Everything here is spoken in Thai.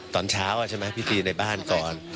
ตอนเช้าใช่ไหมพิธีในบ้านก่อน